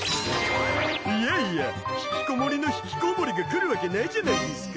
いやいや引きこもりのヒキコウモリが来るわけないじゃないですか。